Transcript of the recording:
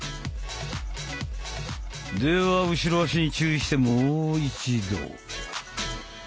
では後ろ足に注意してもう一度。